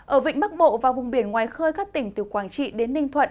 ở vịnh bắc bộ và vùng biển ngoài khơi các tỉnh từ quảng trị đến ninh thuận